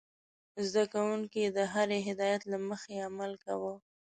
زده کوونکي د هرې هدايت له مخې عمل کاوه.